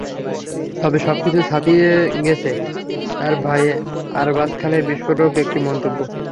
তবে সবকিছু ছাপিয়ে গেছে তাঁর ভাই আরবাজ খানের বিস্ফোরক একটি মন্তব্য।